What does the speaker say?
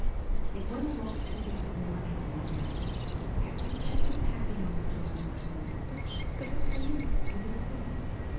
"It went along two weeks more, and one night I heard a gentle tapping on the door of my room. It was Elise, the little girl.